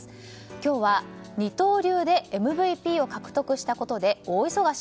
今日は二刀流でＭＶＰを獲得したことで大忙し？